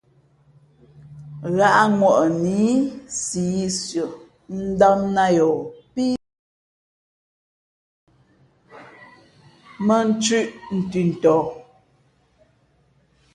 Ghǎʼŋwαʼnǐ siī sʉα ndām nāt yαα pí sʉα mᾱ nthʉ̄ʼ ntʉtɔ.